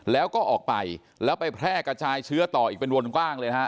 แล้วก็ออกไปแล้วไปแพร่กระจายเชื้อต่ออีกเป็นวงกว้างเลยนะฮะ